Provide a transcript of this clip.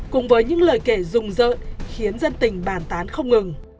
cùng với những lời kể rùng rợ khiến dân tình bàn tán không ngừng